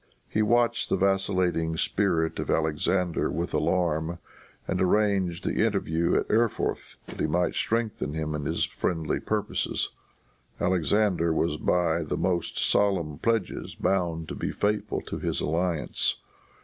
He watched the vacillating spirit of Alexander with alarm, and arranged the interview at Erfurth that he might strengthen him in his friendly purposes. Alexander was by the most solemn pledges bound to be faithful to this alliance.